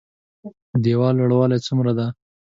د ديوال لوړوالی څومره ده؟